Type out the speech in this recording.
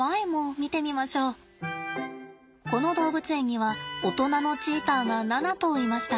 この動物園にはおとなのチーターが７頭いました。